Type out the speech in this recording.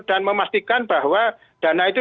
dan memastikan bahwa dana itu